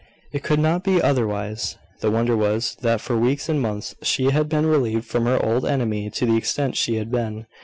It could not be otherwise. The wonder was, that for weeks and months she had been relieved from her old enemy to the extent she had been.